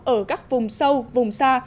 ở các vùng sâu vùng xa